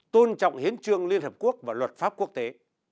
tôn trọng hiến trương liên hợp quốc và luật pháp quốc tế